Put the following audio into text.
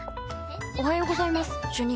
おはようございます主任。